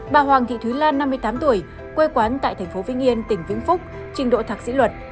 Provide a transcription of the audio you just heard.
bà hoàng thị thúy lan năm mươi tám tuổi quê quán tại tp vinh yên tỉnh vĩnh phúc trình độ thạc sĩ luật